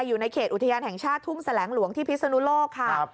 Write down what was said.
อยู่ในเขตอุทยานแห่งชาติทุ่งแสลงหลวงที่พิศนุโลกค่ะ